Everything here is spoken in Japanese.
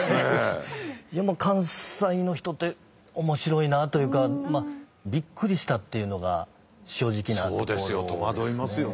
いや関西の人って面白いなというかビックリしたっていうのが正直なところですね。